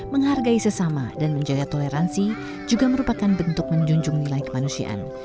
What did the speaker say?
menghargai sesama dan menjaga toleransi juga merupakan bentuk menjunjung nilai kemanusiaan